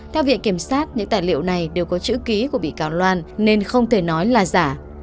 theo viện kiểm sát những tài liệu này đều có chữ ký của bị cáo loan nên không thể nói là giả